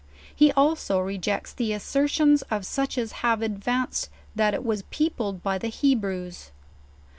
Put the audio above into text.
He also rejects the assertions of such as have advanced that it was peopled by the Hebrews.